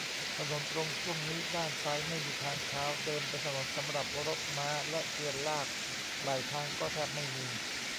ถนนตรงช่วงนี้ ด้านซ้ายไม่มีทางเท้า เดิมเป็นถนนสำหรับรถม้าและเกวียนลาก ไหล่ทางก็แทบไม่มี